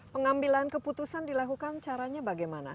pengambilan keputusan dilakukan caranya bagaimana